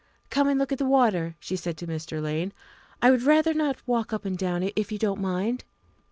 "Come and look at the water," she said to Mr. Lane; "I would rather not walk up and down if you don't mind."